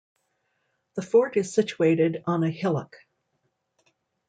The fort is situated on a hillock.